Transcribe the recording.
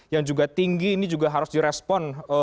yang juga tinggi ini juga harus direspon